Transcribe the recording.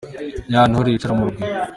Ya Ntore yicara mu Rugwiro.